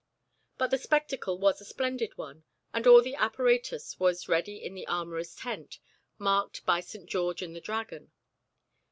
But the spectacle was a splendid one, and all the apparatus was ready in the armourers' tent, marked by St. George and the Dragon.